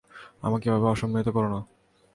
আমাকে এভাবে অসম্মানিত কোরো না।